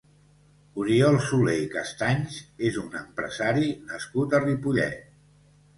Oriol Soler i Castanys és un empresari nascut a Ripollet.